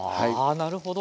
なるほど。